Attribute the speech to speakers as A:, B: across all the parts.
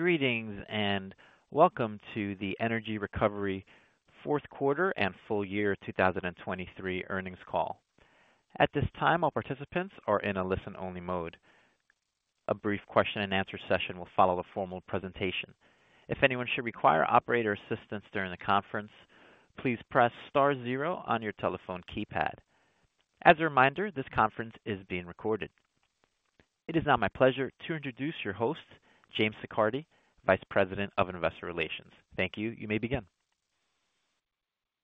A: Greetings, and welcome to the Energy Recovery fourth quarter and full year 2023 earnings call. At this time, all participants are in a listen-only mode. A brief question-and-answer session will follow the formal presentation. If anyone should require operator assistance during the conference, please press star zero on your telephone keypad. As a reminder, this conference is being recorded. It is now my pleasure to introduce your host, James Siccardi, Vice President of Investor Relations. Thank you. You may begin.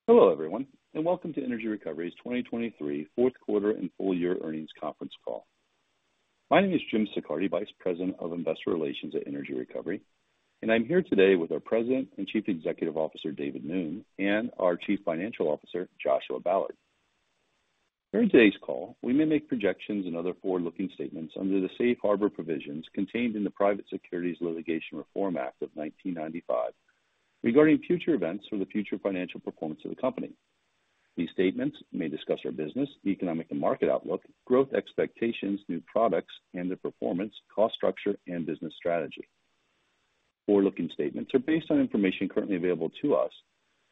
B: Hello, everyone, and welcome to Energy Recovery's 2023 fourth quarter and full year earnings conference call. My name is Jim Siccardi, Vice President of Investor Relations at Energy Recovery, and I'm here today with our President and Chief Executive Officer, David Moon, and our Chief Financial Officer, Joshua Ballard. During today's call, we may make projections and other forward-looking statements under the safe harbor provisions contained in the Private Securities Litigation Reform Act of 1995 regarding future events or the future financial performance of the company. These statements may discuss our business, economic and market outlook, growth expectations, new products and their performance, cost structure, and business strategy. Forward-looking statements are based on information currently available to us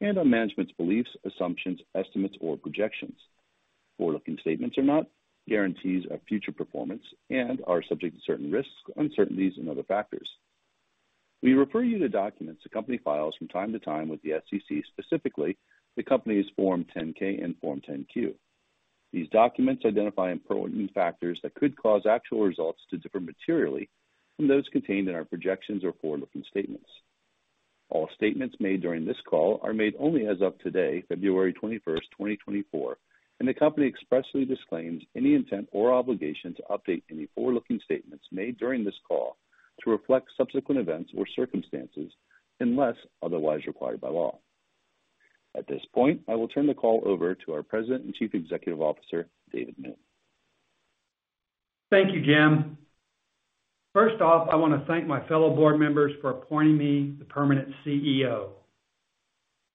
B: and on management's beliefs, assumptions, estimates, or projections. Forward-looking statements are not guarantees of future performance and are subject to certain risks, uncertainties, and other factors. We refer you to documents the company files from time to time with the SEC, specifically the company's Form 10-K and Form 10-Q. These documents identify important factors that could cause actual results to differ materially from those contained in our projections or forward-looking statements. All statements made during this call are made only as of today, February 21, 2024, and the company expressly disclaims any intent or obligation to update any forward-looking statements made during this call to reflect subsequent events or circumstances unless otherwise required by law. At this point, I will turn the call over to our President and Chief Executive Officer, David Moon.
C: Thank you, Jim. First off, I want to thank my fellow board members for appointing me the permanent CEO.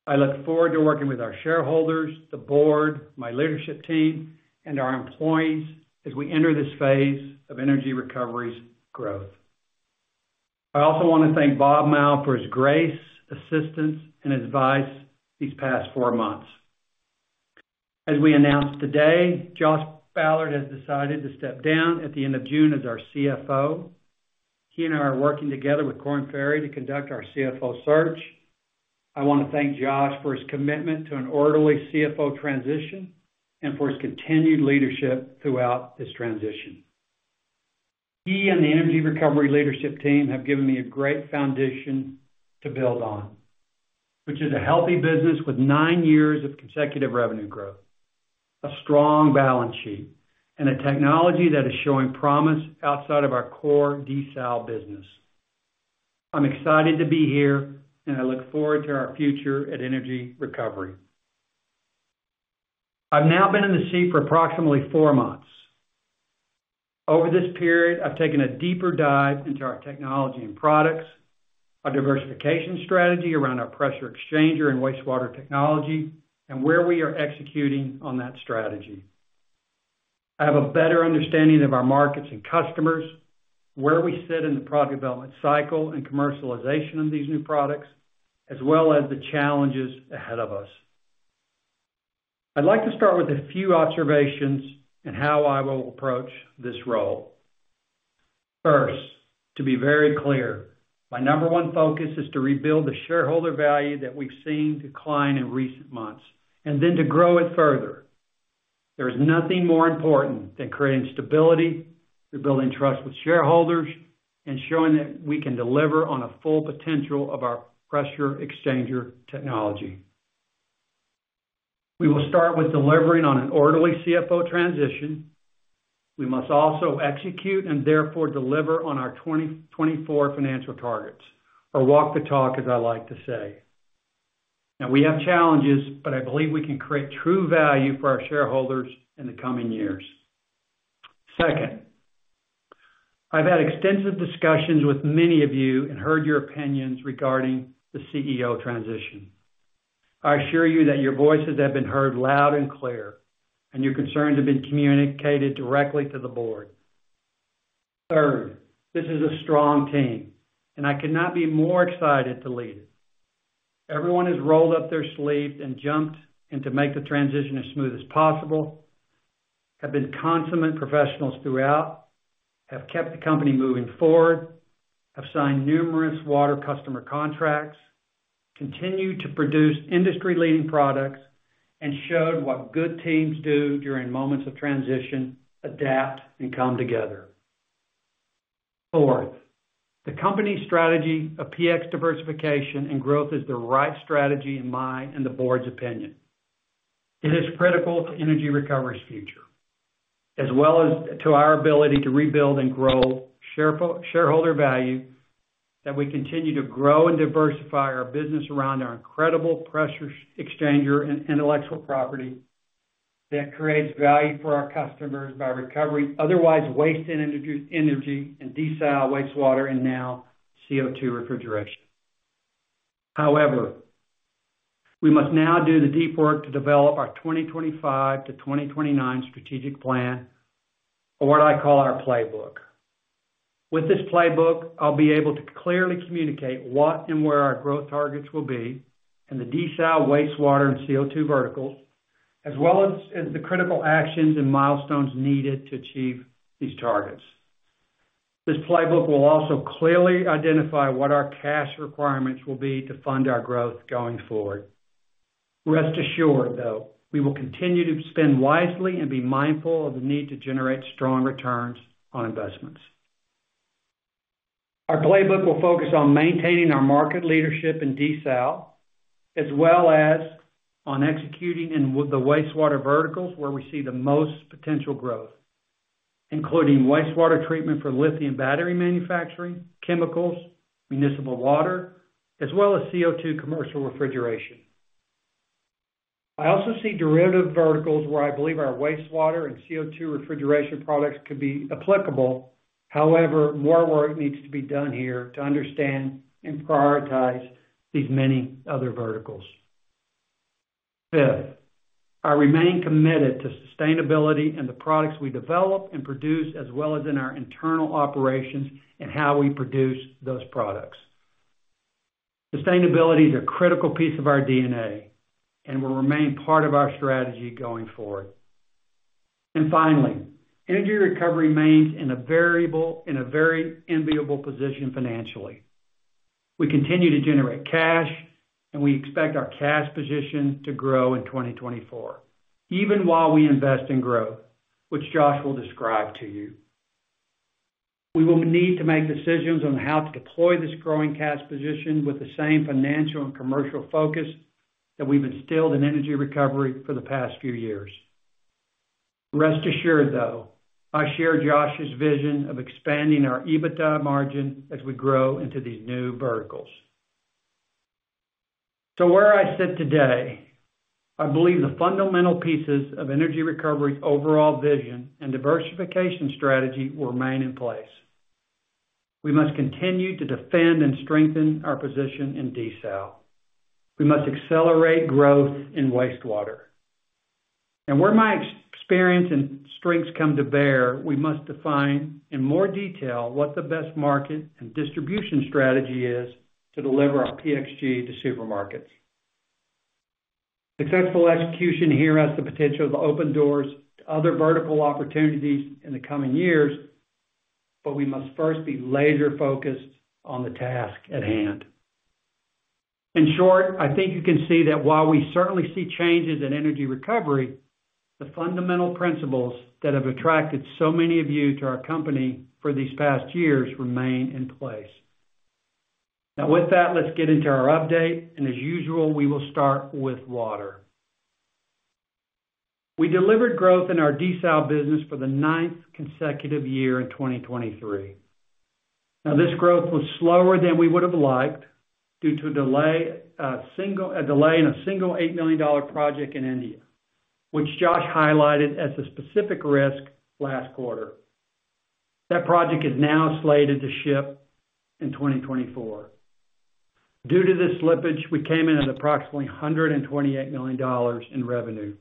C: I look forward to working with our shareholders, the board, my leadership team, and our employees as we enter this phase of Energy Recovery's growth. I also want to thank Bob Mao for his grace, assistance, and advice these past four months. As we announced today, Josh Ballard has decided to step down at the end of June as our CFO. He and I are working together with Korn Ferry to conduct our CFO search. I want to thank Josh for his commitment to an orderly CFO transition and for his continued leadership throughout this transition. He and the Energy Recovery leadership team have given me a great foundation to build on, which is a healthy business with nine years of consecutive revenue growth, a strong balance sheet, and a technology that is showing promise outside of our core desal business. I'm excited to be here, and I look forward to our future at Energy Recovery. I've now been in the seat for approximately four months. Over this period, I've taken a deeper dive into our technology and products, our diversification strategy around our pressure exchanger and wastewater technology, and where we are executing on that strategy. I have a better understanding of our markets and customers, where we sit in the product development cycle and commercialization of these new products, as well as the challenges ahead of us. I'd like to start with a few observations on how I will approach this role. First, to be very clear, my number one focus is to rebuild the shareholder value that we've seen decline in recent months and then to grow it further. There is nothing more important than creating stability, rebuilding trust with shareholders, and showing that we can deliver on a full potential of our pressure exchanger technology. We will start with delivering on an orderly CFO transition. We must also execute and therefore deliver on our 2024 financial targets, or walk the talk, as I like to say. Now, we have challenges, but I believe we can create true value for our shareholders in the coming years. Second, I've had extensive discussions with many of you and heard your opinions regarding the CEO transition. I assure you that your voices have been heard loud and clear, and your concerns have been communicated directly to the board. Third, this is a strong team, and I could not be more excited to lead it. Everyone has rolled up their sleeves and jumped in to make the transition as smooth as possible, have been consummate professionals throughout, have kept the company moving forward, have signed numerous water customer contracts, continued to produce industry-leading products, and showed what good teams do during moments of transition: adapt and come together. Fourth, the company's strategy of PX diversification and growth is the right strategy, in my and the board's opinion. It is critical to Energy Recovery's future, as well as to our ability to rebuild and grow shareholder value, that we continue to grow and diversify our business around our incredible pressure exchanger and intellectual property that creates value for our customers by recovering otherwise wasted energy and desal wastewater, and now CO2 refrigeration.... However, we must now do the deep work to develop our 2025 to 2029 strategic plan, or what I call our playbook. With this playbook, I'll be able to clearly communicate what and where our growth targets will be in the desal, wastewater, and CO2 verticals, as well as, as the critical actions and milestones needed to achieve these targets. This playbook will also clearly identify what our cash requirements will be to fund our growth going forward. Rest assured, though, we will continue to spend wisely and be mindful of the need to generate strong returns on investments. Our playbook will focus on maintaining our market leadership in desal, as well as on executing in the wastewater verticals, where we see the most potential growth, including wastewater treatment for lithium battery manufacturing, chemicals, municipal water, as well as CO2 commercial refrigeration. I also see derivative verticals where I believe our wastewater and CO2 refrigeration products could be applicable. However, more work needs to be done here to understand and prioritize these many other verticals. Fifth, I remain committed to sustainability and the products we develop and produce, as well as in our internal operations and how we produce those products. Sustainability is a critical piece of our DNA and will remain part of our strategy going forward. And finally, Energy Recovery remains in a very enviable position financially. We continue to generate cash, and we expect our cash position to grow in 2024, even while we invest in growth, which Josh will describe to you. We will need to make decisions on how to deploy this growing cash position with the same financial and commercial focus that we've instilled in Energy Recovery for the past few years. Rest assured, though, I share Josh's vision of expanding our EBITDA margin as we grow into these new verticals. So where I sit today, I believe the fundamental pieces of Energy Recovery's overall vision and diversification strategy will remain in place. We must continue to defend and strengthen our position in desal. We must accelerate growth in wastewater. And where my experience and strengths come to bear, we must define in more detail what the best market and distribution strategy is to deliver our PX G to supermarkets. Successful execution here has the potential to open doors to other vertical opportunities in the coming years, but we must first be laser-focused on the task at hand. In short, I think you can see that while we certainly see changes in Energy Recovery, the fundamental principles that have attracted so many of you to our company for these past years remain in place. Now, with that, let's get into our update, and as usual, we will start with water. We delivered growth in our desal business for the ninth consecutive year in 2023. Now, this growth was slower than we would have liked due to a delay in a single $8 million project in India, which Josh highlighted as a specific risk last quarter. That project is now slated to ship in 2024. Due to this slippage, we came in at approximately $128 million in revenue.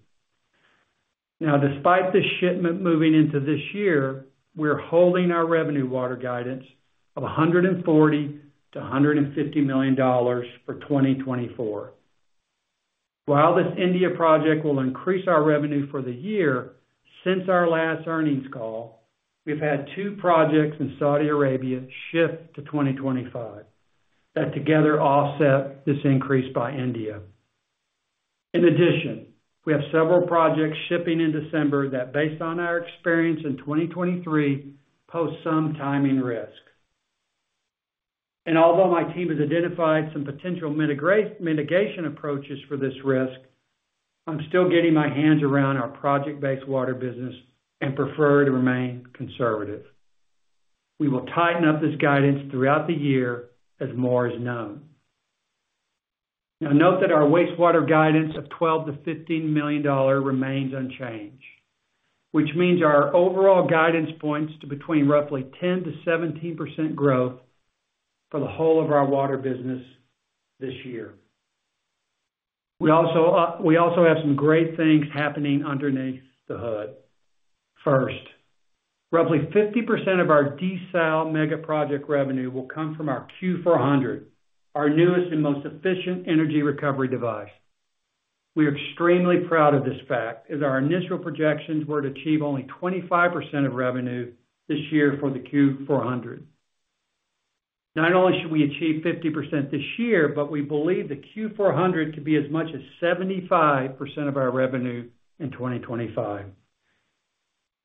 C: Now, despite this shipment moving into this year, we're holding our revenue water guidance of $140 million-$150 million for 2024. While this India project will increase our revenue for the year, since our last earnings call, we've had two projects in Saudi Arabia shift to 2025 that together offset this increase by India. In addition, we have several projects shipping in December that, based on our experience in 2023, pose some timing risk. And although my team has identified some potential mitigation approaches for this risk, I'm still getting my hands around our project-based water business and prefer to remain conservative. We will tighten up this guidance throughout the year as more is known. Now, note that our wastewater guidance of $12 million-$15 million remains unchanged, which means our overall guidance points to between roughly 10%-17% growth for the whole of our water business this year. We also, we also have some great things happening underneath the hood. First, roughly 50% of our desal megaproject revenue will come from our Q400, our newest and most efficient energy recovery device. We are extremely proud of this fact, as our initial projections were to achieve only 25% of revenue this year for the Q400. Not only should we achieve 50% this year, but we believe the Q400 to be as much as 75% of our revenue in 2025.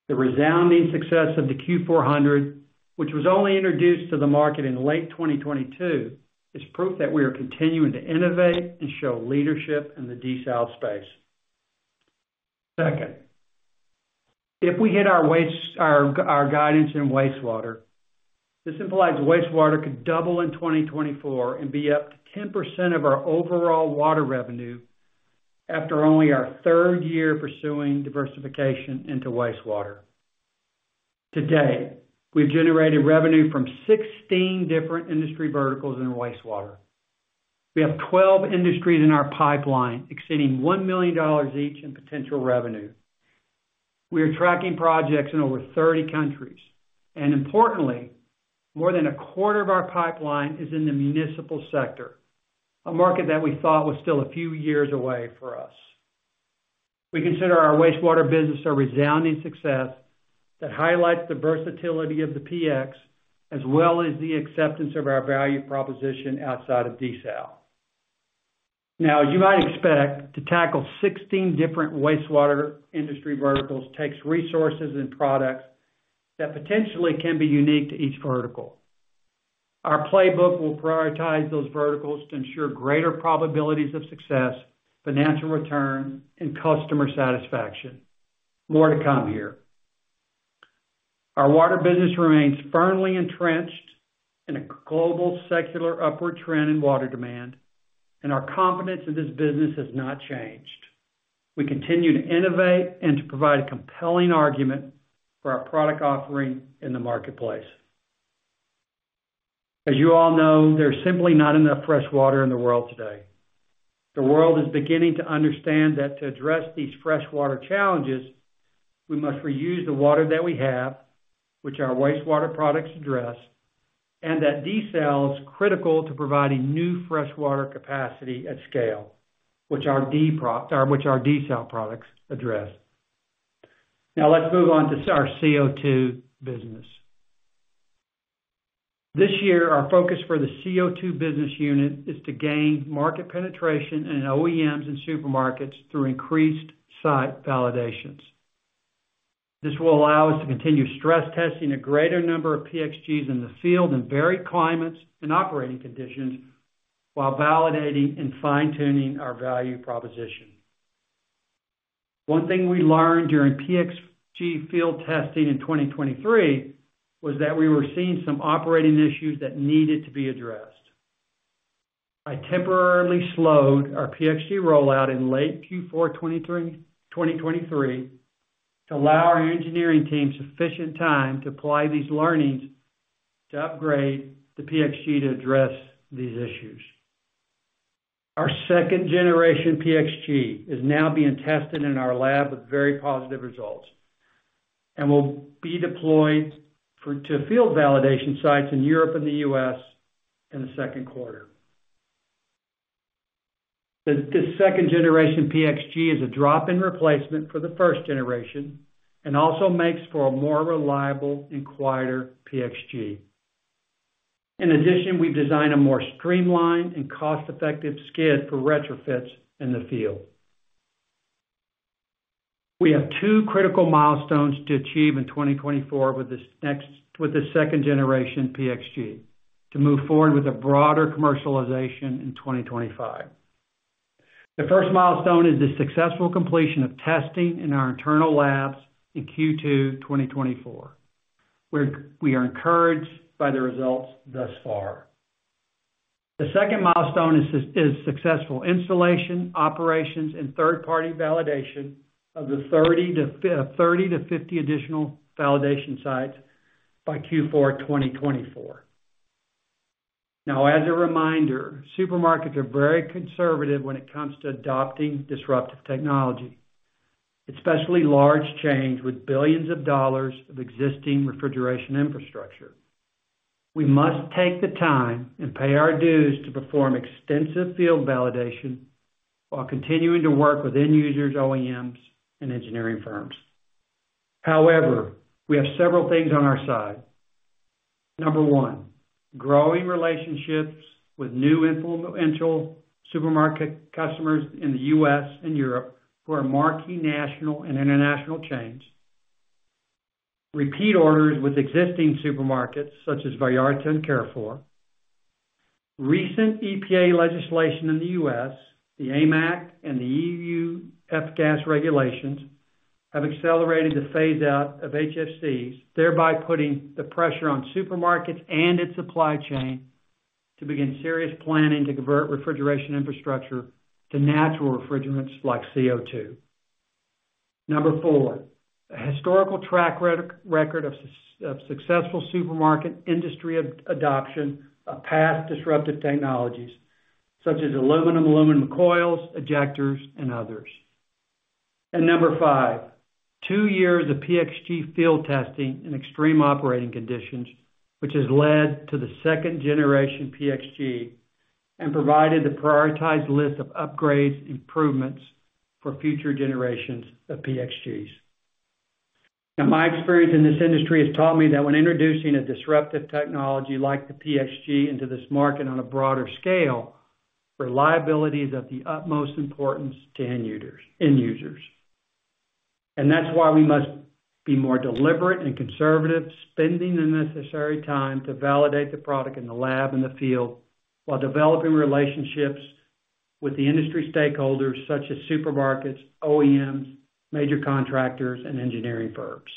C: The resounding success of the Q400, which was only introduced to the market in late 2022, is proof that we are continuing to innovate and show leadership in the desal space. Second, if we hit our wastewater guidance, this implies wastewater could double in 2024 and be up to 10% of our overall water revenue after only our third year pursuing diversification into wastewater. Today, we've generated revenue from 16 different industry verticals in wastewater. We have 12 industries in our pipeline exceeding $1 million each in potential revenue. We are tracking projects in over 30 countries, and importantly, more than a quarter of our pipeline is in the municipal sector, a market that we thought was still a few years away for us. We consider our wastewater business a resounding success that highlights the versatility of the PX, as well as the acceptance of our value proposition outside of desal. Now, you might expect to tackle 16 different wastewater industry verticals takes resources and products that potentially can be unique to each vertical. Our playbook will prioritize those verticals to ensure greater probabilities of success, financial return, and customer satisfaction. More to come here. Our water business remains firmly entrenched in a global secular upward trend in water demand, and our confidence in this business has not changed. We continue to innovate and to provide a compelling argument for our product offering in the marketplace. As you all know, there's simply not enough fresh water in the world today. The world is beginning to understand that to address these fresh water challenges, we must reuse the water that we have, which our wastewater products address, and that desal is critical to providing new fresh water capacity at scale, which our desal products address. Now, let's move on to our CO2 business. This year, our focus for the CO2 business unit is to gain market penetration in OEMs and supermarkets through increased site validations. This will allow us to continue stress testing a greater number of PX Gs in the field, in varied climates and operating conditions, while validating and fine-tuning our value proposition. One thing we learned during PX G field testing in 2023 was that we were seeing some operating issues that needed to be addressed. I temporarily slowed our PX G rollout in late Q4 2023, 2023, to allow our engineering team sufficient time to apply these learnings to upgrade the PX G to address these issues. Our second generation PX G is now being tested in our lab with very positive results and will be deployed to field validation sites in Europe and the U.S. in the second quarter. This second generation PX G is a drop-in replacement for the first generation and also makes for a more reliable and quieter PX G. In addition, we've designed a more streamlined and cost-effective skid for retrofits in the field. We have two critical milestones to achieve in 2024 with the second generation PX G, to move forward with a broader commercialization in 2025. The first milestone is the successful completion of testing in our internal labs in Q2 2024. We are encouraged by the results thus far. The second milestone is successful installation, operations, and third-party validation of the 30-50 additional validation sites by Q4 2024. Now, as a reminder, supermarkets are very conservative when it comes to adopting disruptive technology, especially large chains with billions of dollars of existing refrigeration infrastructure. We must take the time and pay our dues to perform extensive field validation while continuing to work with end users, OEMs, and engineering firms. However, we have several things on our side. Number one, growing relationships with new influential supermarket customers in the U.S. and Europe, who are marquee national and international chains. Repeat orders with existing supermarkets, such as Vallarta and Carrefour. Recent EPA legislation in the U.S., the AIM Act and the EU F-gas regulations, have accelerated the phaseout of HFCs, thereby putting the pressure on supermarkets and its supply chain to begin serious planning to convert refrigeration infrastructure to natural refrigerants like CO2. Number four, a historical track record of successful supermarket industry adoption of past disruptive technologies, such as aluminum, aluminum coils, ejectors, and others. Number five, two years of PX G field testing in extreme operating conditions, which has led to the second generation PX G and provided the prioritized list of upgrades, improvements for future generations of PX Gs. Now, my experience in this industry has taught me that when introducing a disruptive technology like the PX G into this market on a broader scale, reliability is of the utmost importance to end users, end users. That's why we must be more deliberate and conservative, spending the necessary time to validate the product in the lab and the field, while developing relationships with the industry stakeholders such as supermarkets, OEMs, major contractors, and engineering firms.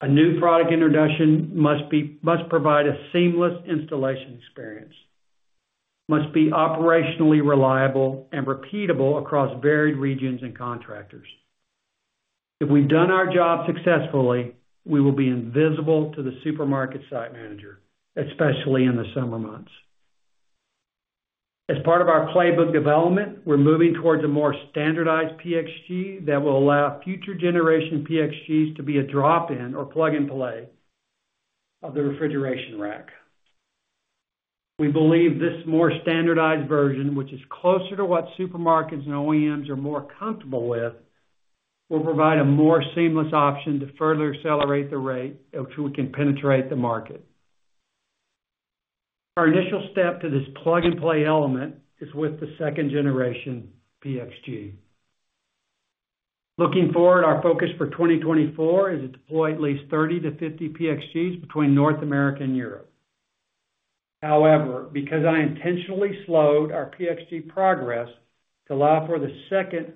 C: A new product introduction must provide a seamless installation experience, must be operationally reliable and repeatable across varied regions and contractors. If we've done our job successfully, we will be invisible to the supermarket site manager, especially in the summer months. As part of our playbook development, we're moving towards a more standardized PX G that will allow future generation PX Gs to be a drop-in or plug-and-play of the refrigeration rack. We believe this more standardized version, which is closer to what supermarkets and OEMs are more comfortable with, will provide a more seamless option to further accelerate the rate at which we can penetrate the market. Our initial step to this plug-and-play element is with the second generation PX G. Looking forward, our focus for 2024 is to deploy at least 30-50 PX Gs between North America and Europe. However, because I intentionally slowed our PX G progress to allow for the second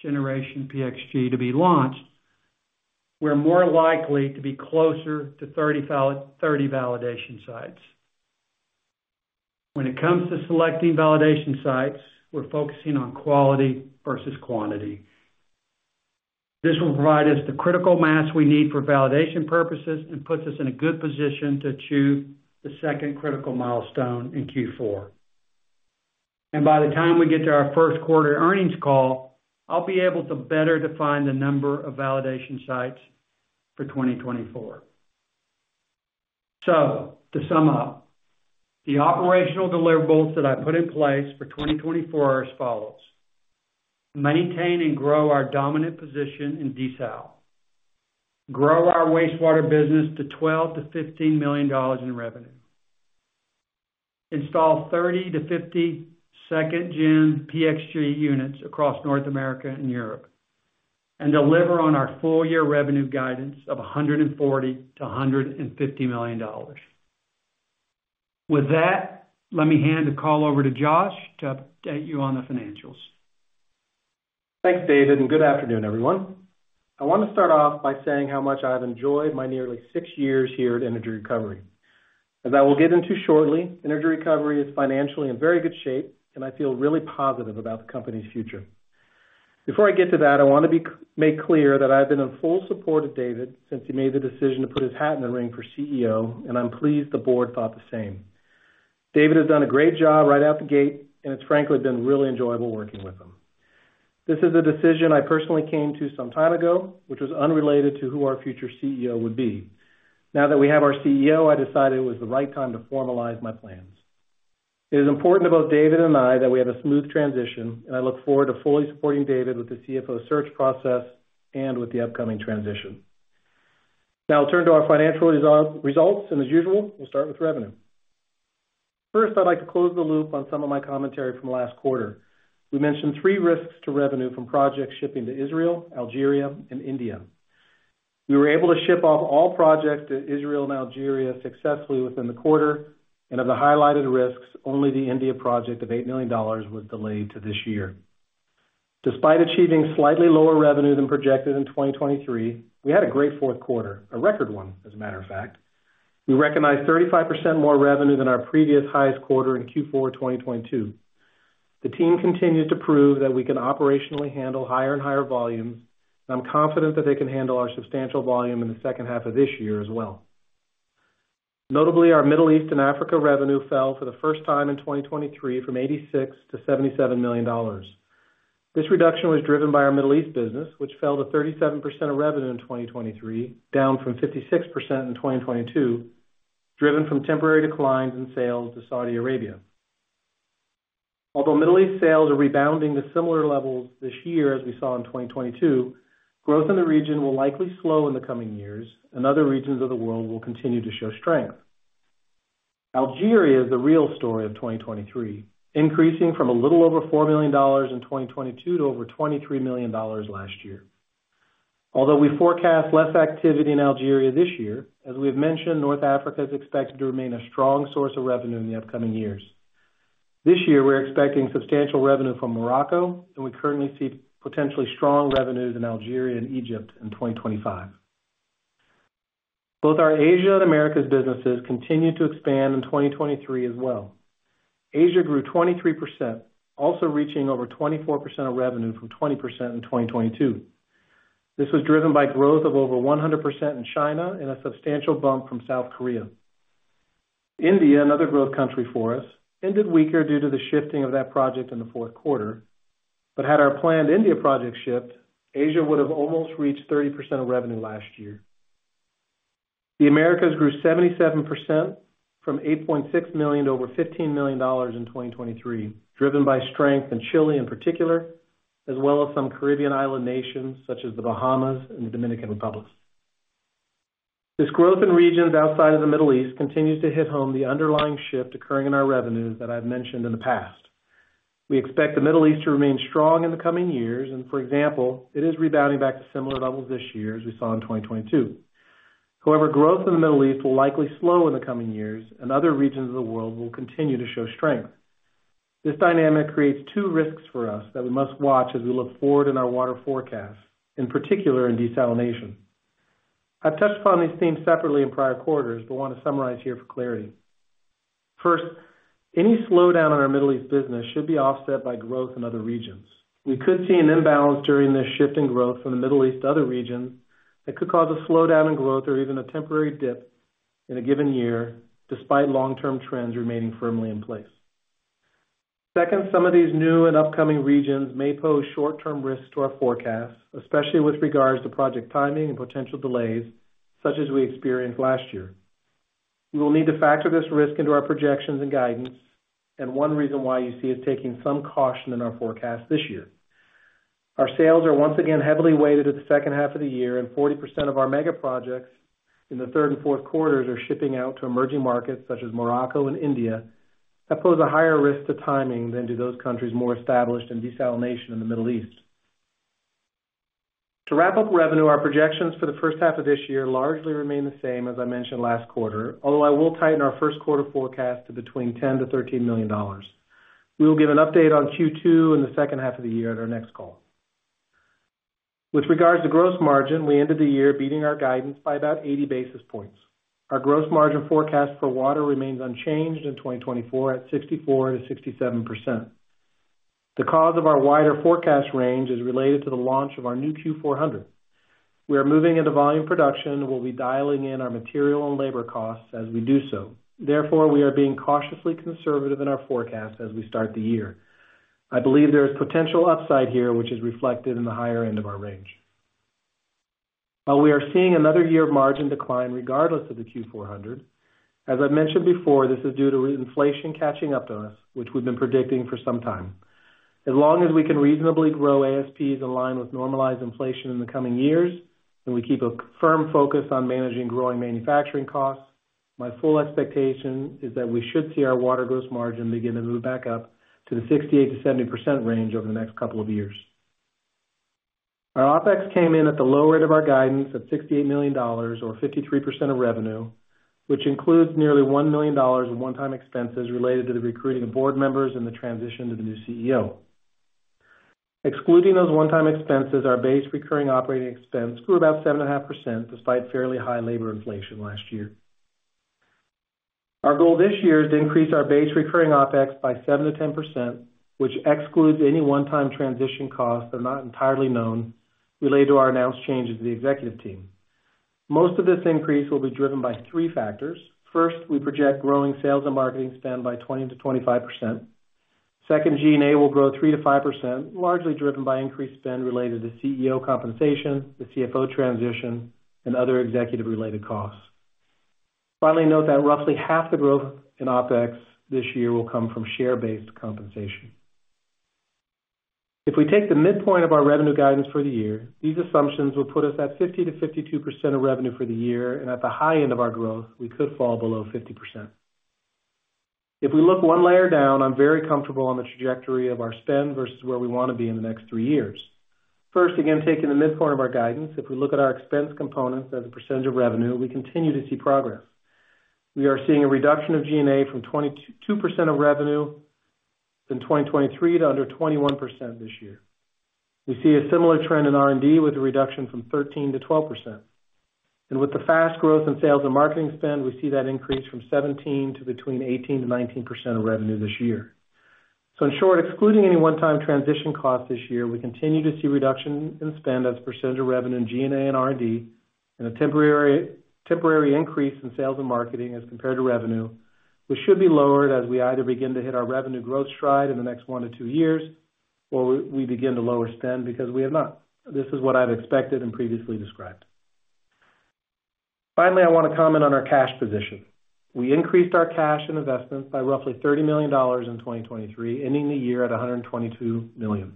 C: generation PX G to be launched, we're more likely to be closer to 30 validation sites. When it comes to selecting validation sites, we're focusing on quality versus quantity. This will provide us the critical mass we need for validation purposes, and puts us in a good position to achieve the second critical milestone in Q4. By the time we get to our first quarter earnings call, I'll be able to better define the number of validation sites for 2024. So to sum up, the operational deliverables that I put in place for 2024 are as follows: maintain and grow our dominant position in desal, grow our wastewater business to $12 million-$15 million in revenue, install 30-50 second-gen PX G units across North America and Europe, and deliver on our full year revenue guidance of $140 million-$150 million. With that, let me hand the call over to Josh to update you on the financials.
D: Thanks, David, and good afternoon, everyone. I wanna start off by saying how much I have enjoyed my nearly six years here at Energy Recovery. As I will get into shortly, Energy Recovery is financially in very good shape, and I feel really positive about the company's future. Before I get to that, I wanna make clear that I've been in full support of David since he made the decision to put his hat in the ring for CEO, and I'm pleased the board thought the same. David has done a great job right out the gate, and it's frankly been really enjoyable working with him. This is a decision I personally came to some time ago, which was unrelated to who our future CEO would be. Now that we have our CEO, I decided it was the right time to formalize my plans. It is important to both David and I that we have a smooth transition, and I look forward to fully supporting David with the CFO search process and with the upcoming transition. Now I'll turn to our financial results, and as usual, we'll start with revenue. First, I'd like to close the loop on some of my commentary from last quarter. We mentioned three risks to revenue from projects shipping to Israel, Algeria and India. We were able to ship off all projects to Israel and Algeria successfully within the quarter, and of the highlighted risks, only the India project of $8 million was delayed to this year. Despite achieving slightly lower revenue than projected in 2023, we had a great fourth quarter, a record one, as a matter of fact. We recognized 35% more revenue than our previous highest quarter in Q4 2022. The team continued to prove that we can operationally handle higher and higher volumes, and I'm confident that they can handle our substantial volume in the second half of this year as well. Notably, our Middle East and Africa revenue fell for the first time in 2023 from $86 million to $77 million. This reduction was driven by our Middle East business, which fell to 37% of revenue in 2023, down from 56% in 2022, driven from temporary declines in sales to Saudi Arabia. Although Middle East sales are rebounding to similar levels this year as we saw in 2022, growth in the region will likely slow in the coming years and other regions of the world will continue to show strength. Algeria is the real story of 2023, increasing from a little over $4 million in 2022 to over $23 million last year. Although we forecast less activity in Algeria this year, as we have mentioned, North Africa is expected to remain a strong source of revenue in the upcoming years. This year, we're expecting substantial revenue from Morocco, and we currently see potentially strong revenues in Algeria and Egypt in 2025. Both our Asia and Americas businesses continued to expand in 2023 as well. Asia grew 23%, also reaching over 24% of revenue from 20% in 2022. This was driven by growth of over 100% in China and a substantial bump from South Korea. India, another growth country for us, ended weaker due to the shifting of that project in the fourth quarter. But had our planned India project shipped, Asia would have almost reached 30% of revenue last year. The Americas grew 77% from $8.6 million to over $15 million in 2023, driven by strength in Chile in particular, as well as some Caribbean island nations such as the Bahamas and the Dominican Republic. This growth in regions outside of the Middle East continues to hit home the underlying shift occurring in our revenues that I've mentioned in the past. We expect the Middle East to remain strong in the coming years, and for example, it is rebounding back to similar levels this year as we saw in 2022. However, growth in the Middle East will likely slow in the coming years, and other regions of the world will continue to show strength. This dynamic creates two risks for us that we must watch as we look forward in our water forecast, in particular in desalination. I've touched upon these themes separately in prior quarters, but want to summarize here for clarity. First, any slowdown in our Middle East business should be offset by growth in other regions. We could see an imbalance during this shift in growth from the Middle East to other regions that could cause a slowdown in growth or even a temporary dip in a given year, despite long-term trends remaining firmly in place. Second, some of these new and upcoming regions may pose short-term risks to our forecast, especially with regards to project timing and potential delays, such as we experienced last year. We will need to factor this risk into our projections and guidance, and one reason why you see us taking some caution in our forecast this year. Our sales are once again heavily weighted at the second half of the year, and 40% of our megaprojects in the third and fourth quarters are shipping out to emerging markets such as Morocco and India, that pose a higher risk to timing than do those countries more established in desalination in the Middle East. To wrap up revenue, our projections for the first half of this year largely remain the same as I mentioned last quarter, although I will tighten our first quarter forecast to between $10 million-$13 million. We will give an update on Q2 in the second half of the year at our next call. With regards to gross margin, we ended the year beating our guidance by about 80 basis points. Our gross margin forecast for water remains unchanged in 2024 at 64%-67%. The cause of our wider forecast range is related to the launch of our new Q400. We are moving into volume production and we'll be dialing in our material and labor costs as we do so. Therefore, we are being cautiously conservative in our forecast as we start the year. I believe there is potential upside here, which is reflected in the higher end of our range. While we are seeing another year of margin decline regardless of the Q400, as I've mentioned before, this is due to inflation catching up to us, which we've been predicting for some time. As long as we can reasonably grow ASPs aligned with normalized inflation in the coming years, and we keep a firm focus on managing growing manufacturing costs, my full expectation is that we should see our water gross margin begin to move back up to the 68%-70% range over the next couple of years. Our OpEx came in at the low rate of our guidance of $68 million or 53% of revenue, which includes nearly $1 million in one-time expenses related to the recruiting of board members and the transition to the new CEO. Excluding those one-time expenses, our base recurring operating expense grew about 7.5%, despite fairly high labor inflation last year. Our goal this year is to increase our base recurring OpEx by 7%-10%, which excludes any one-time transition costs that are not entirely known, related to our announced changes to the executive team. Most of this increase will be driven by three factors. First, we project growing sales and marketing spend by 20%-25%. Second, G&A will grow 3%-5%, largely driven by increased spend related to CEO compensation, the CFO transition, and other executive-related costs. Finally, note that roughly half the growth in OpEx this year will come from share-based compensation. If we take the midpoint of our revenue guidance for the year, these assumptions will put us at 50%-52% of revenue for the year, and at the high end of our growth, we could fall below 50%. If we look one layer down, I'm very comfortable on the trajectory of our spend versus where we want to be in the next three years. First, again, taking the midpoint of our guidance, if we look at our expense components as a percentage of revenue, we continue to see progress. We are seeing a reduction of G&A from 22% of revenue in 2023 to under 21% this year. We see a similar trend in R&D, with a reduction from 13%-12%. And with the fast growth in sales and marketing spend, we see that increase from 17% to between 18%-19% of revenue this year. So in short, excluding any one-time transition costs this year, we continue to see reduction in spend as a percentage of revenue in G&A and R&D, and a temporary, temporary increase in sales and marketing as compared to revenue, which should be lowered as we either begin to hit our revenue growth stride in the next 1-2 years, or we, we begin to lower spend because we have not. This is what I've expected and previously described. Finally, I want to comment on our cash position. We increased our cash and investments by roughly $30 million in 2023, ending the year at $122 million.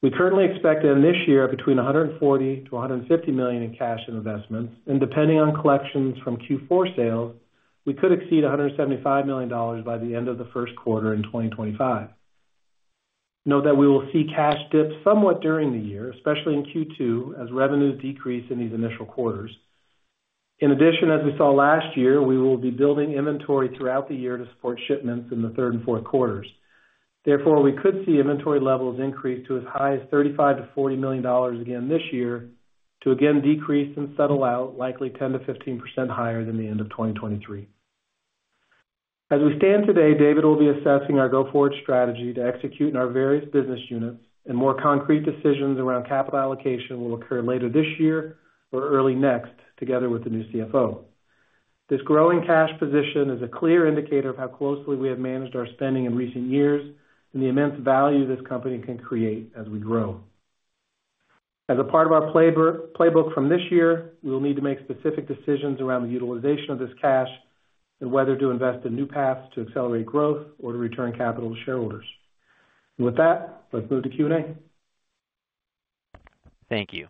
D: We currently expect in this year between $140 million-$150 million in cash and investments, and depending on collections from Q4 sales, we could exceed $175 million by the end of the first quarter in 2025. Note that we will see cash dip somewhat during the year, especially in Q2, as revenues decrease in these initial quarters. In addition, as we saw last year, we will be building inventory throughout the year to support shipments in the third and fourth quarters. Therefore, we could see inventory levels increase to as high as $35 million-$40 million again this year, to again decrease and settle out, likely 10%-15% higher than the end of 2023. As we stand today, David will be assessing our go-forward strategy to execute in our various business units, and more concrete decisions around capital allocation will occur later this year or early next, together with the new CFO. This growing cash position is a clear indicator of how closely we have managed our spending in recent years and the immense value this company can create as we grow. As a part of our playbook, playbook from this year, we will need to make specific decisions around the utilization of this cash and whether to invest in new paths to accelerate growth or to return capital to shareholders. With that, let's move to Q&A.
A: Thank you.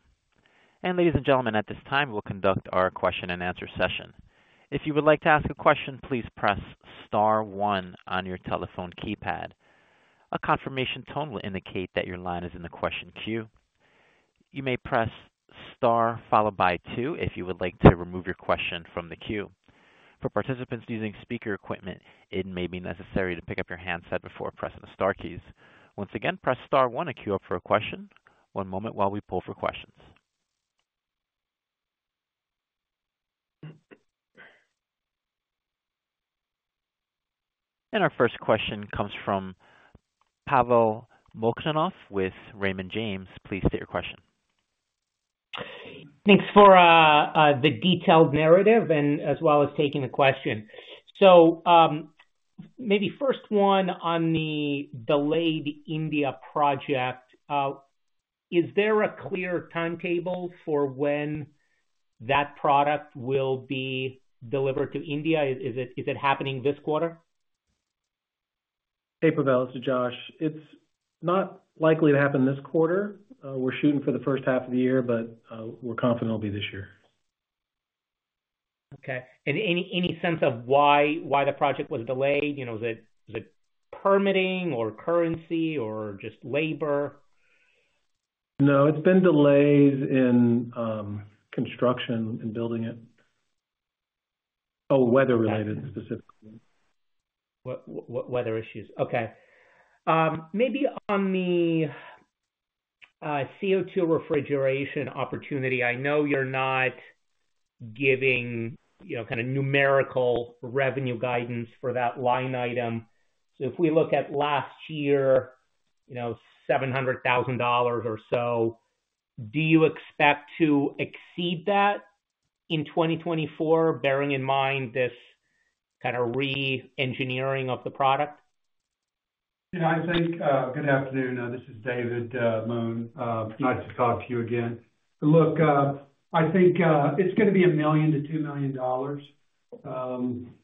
A: Ladies and gentlemen, at this time, we'll conduct our question-and-answer session. If you would like to ask a question, please press star one on your telephone keypad. A confirmation tone will indicate that your line is in the question queue. You may press star followed by two if you would like to remove your question from the queue. For participants using speaker equipment, it may be necessary to pick up your handset before pressing the star keys. Once again, press star one to queue up for a question. One moment while we pull for questions. Our first question comes from Pavel Molchanov with Raymond James. Please state your question.
E: Thanks for the detailed narrative and as well as taking the question. So, maybe first one on the delayed India project. Is there a clear timetable for when that product will be delivered to India? Is it happening this quarter?
D: Hey, Pavel, it's Josh. It's not likely to happen this quarter. We're shooting for the first half of the year, but we're confident it'll be this year.
E: Okay. Any sense of why the project was delayed? You know, is it permitting or currency or just labor?
D: No, it's been delays in construction and building it. Oh, weather-related specifically.
E: Weather issues. Okay. Maybe on the CO2 refrigeration opportunity, I know you're not giving, you know, kinda numerical revenue guidance for that line item. So if we look at last year, you know, $700,000 or so, do you expect to exceed that in 2024, bearing in mind this kinda re-engineering of the product?
C: Yeah, I think... good afternoon. This is David Moon. It's nice to talk to you again. Look, I think it's gonna be $1 million-$2 million.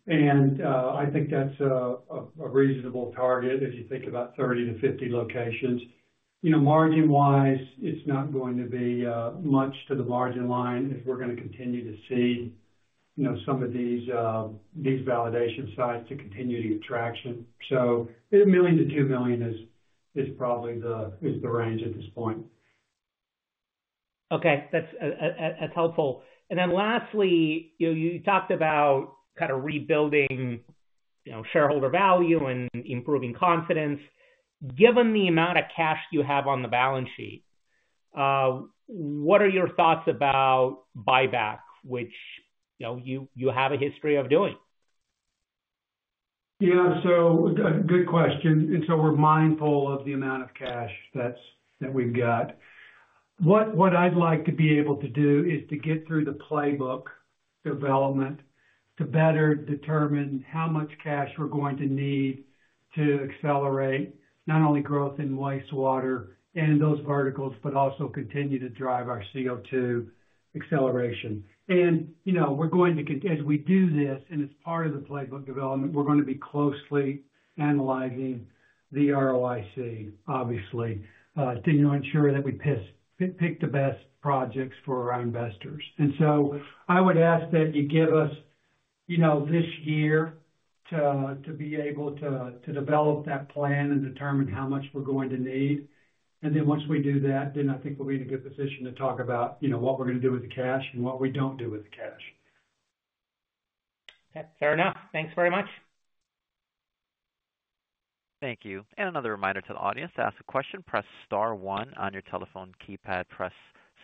C: And I think that's a reasonable target as you think about 30-50 locations. You know, margin-wise, it's not going to be much to the margin line if we're gonna continue to see, you know, some of these validation sites to continue to get traction. So $1 million-$2 million is probably the range at this point.
E: Okay. That's helpful. And then lastly, you talked about kinda rebuilding, you know, shareholder value and improving confidence. Given the amount of cash you have on the balance sheet, what are your thoughts about buyback, which, you know, you have a history of doing?
C: Yeah, so good question. And so we're mindful of the amount of cash that we've got. What I'd like to be able to do is to get through the playbook development to better determine how much cash we're going to need to accelerate, not only growth in wastewater and those verticals, but also continue to drive our CO2 acceleration. And, you know, we're going to, as we do this, and it's part of the playbook development, we're gonna be closely analyzing the ROIC, obviously, to ensure that we pick the best projects for our investors. And so I would ask that you give us, you know, this year to be able to develop that plan and determine how much we're going to need. And then once we do that, then I think we'll be in a good position to talk about, you know, what we're gonna do with the cash and what we don't do with the cash.
E: Okay, fair enough. Thanks very much.
A: Thank you. And another reminder to the audience, to ask a question, press star one on your telephone keypad. Press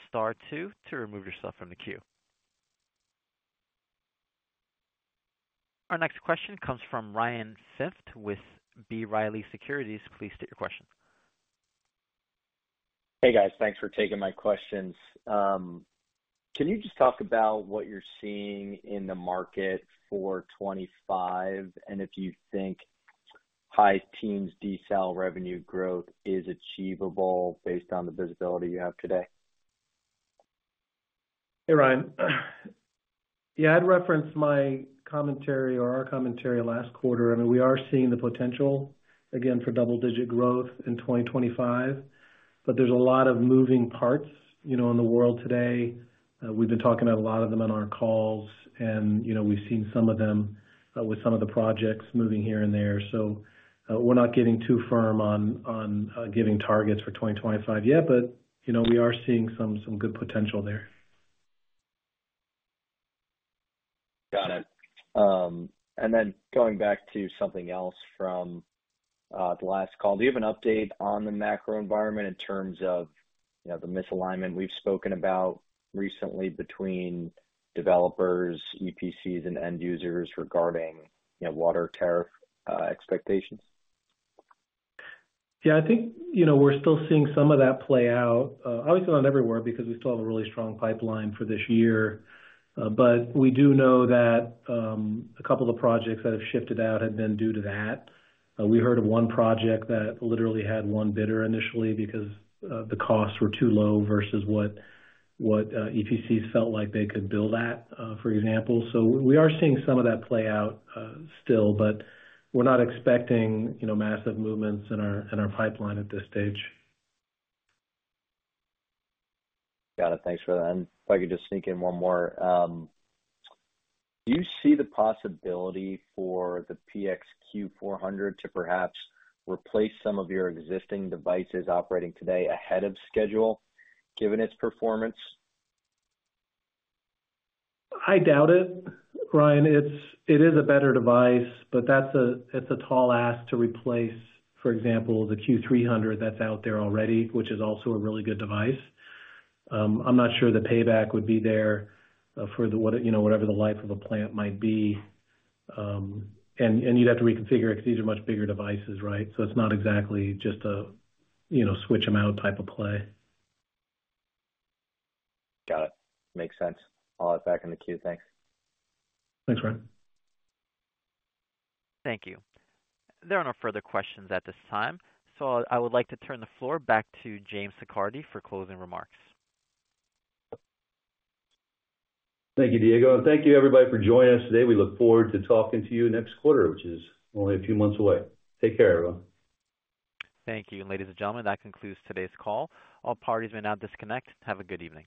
A: star two to remove yourself from the queue. Our next question comes from Ryan Pfingst with B. Riley Securities. Please state your question.
F: Hey, guys. Thanks for taking my questions. Can you just talk about what you're seeing in the market for 2025, and if you think high teens desal revenue growth is achievable based on the visibility you have today?
D: Hey, Ryan. Yeah, I'd reference my commentary or our commentary last quarter. I mean, we are seeing the potential again for double-digit growth in 2025, but there's a lot of moving parts, you know, in the world today. We've been talking about a lot of them on our calls, and, you know, we've seen some of them with some of the projects moving here and there. So we're not getting too firm on giving targets for 2025 yet, but, you know, we are seeing some good potential there.
F: Got it. And then going back to something else from the last call, do you have an update on the macro environment in terms of, you know, the misalignment we've spoken about recently between developers, EPCs, and end users regarding, you know, water tariff expectations?
D: Yeah, I think, you know, we're still seeing some of that play out. Obviously not everywhere, because we still have a really strong pipeline for this year. But we do know that a couple of the projects that have shifted out have been due to that. We heard of one project that literally had one bidder initially because the costs were too low versus what EPC felt like they could bill at, for example. So we are seeing some of that play out still, but we're not expecting, you know, massive movements in our pipeline at this stage.
F: Got it. Thanks for that. If I could just sneak in one more. Do you see the possibility for the PX Q400 to perhaps replace some of your existing devices operating today ahead of schedule, given its performance?
D: I doubt it, Ryan. It's a better device, but that's a tall ask to replace, for example, the Q300 that's out there already, which is also a really good device. I'm not sure the payback would be there, for you know, whatever the life of a plant might be. And you'd have to reconfigure it, because these are much bigger devices, right? So it's not exactly just a you know, switch them out type of play.
F: Got it. Makes sense. I'll hop back in the queue. Thanks.
D: Thanks, Ryan.
A: Thank you. There are no further questions at this time, so I would like to turn the floor back to James Siccardi for closing remarks.
B: Thank you, Diego, and thank you, everybody, for joining us today. We look forward to talking to you next quarter, which is only a few months away. Take care, everyone.
A: Thank you. Ladies and gentlemen, that concludes today's call. All parties may now disconnect. Have a good evening.